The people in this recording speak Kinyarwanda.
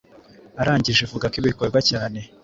Arangije avuga ko bikorwa cyane